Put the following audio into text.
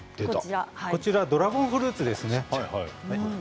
ドラゴンフルーツですね。